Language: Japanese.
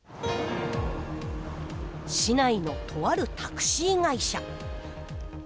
市内のとあるタクシー会社。